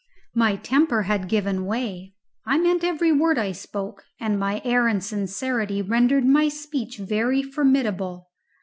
My temper had given way; I meant every word I spoke, and my air and sincerity rendered my speech very formidable.